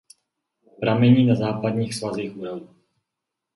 Pramení na západních svazích Uralu.